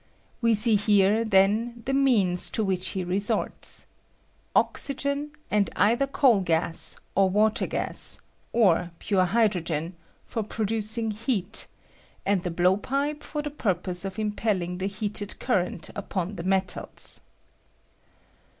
We see here, then, the means to which he resorts : deville's platinum furnace, 211 oxygen, and either coal gas, or water gas, ('^) or pore hydrogen, for producing heat, and the blowpipe for the purpose of impelling the heat ed current upon the metals.